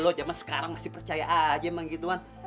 lo zaman sekarang masih percaya aja emang gitu kan